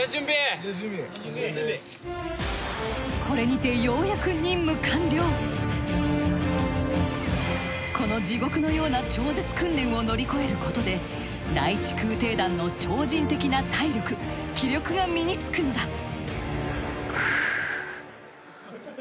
これにてようやくこの地獄のような超絶訓練を乗り越えることで第一空挺団の超人的な体力気力が身につくんだ。